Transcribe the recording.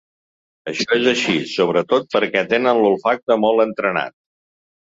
Això és així, sobretot, perquè tenen l’olfacte molt entrenat.